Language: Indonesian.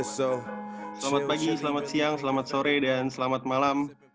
selamat pagi selamat siang selamat sore dan selamat malam